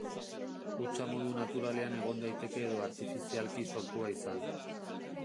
Hutsa modu naturalean egon daiteke edo artifizialki sortua izan.